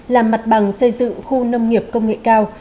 làm mặt bằng xây dựng khu nông nghiệp công nghệ cao